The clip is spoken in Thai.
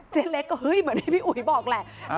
เจนเล็กก็เหมือนพี่อุ๋ยบอกแหละ